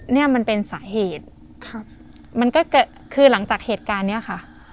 เนี่ยมันเป็นสาเหตุครับมันก็เกิดคือหลังจากเหตุการณ์เนี้ยค่ะ